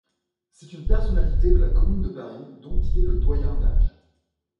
C'est une personnalité de la Commune de Paris dont il est le doyen d'âge.